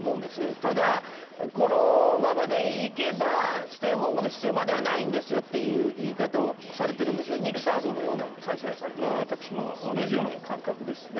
ただ、このままでいけばステイホームの必要まではないんですよという言い方をされているんですが二木さんは私も同じような感覚ですね。